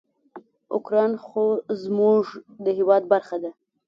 اوکراین خو زموږ د هیواد برخه ده.